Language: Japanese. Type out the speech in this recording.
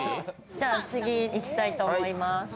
じゃあ次いきたいと思います。